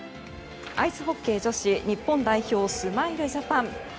アイスホッケー女子、日本代表スマイルジャパン。